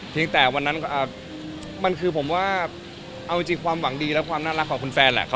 แต่วันนั้นมันคือผมว่าเอาจริงความหวังดีและความน่ารักของคุณแฟนแหละ